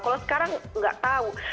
kalau sekarang tidak tahu